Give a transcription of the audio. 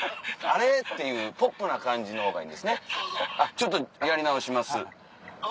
ちょっとやり直します。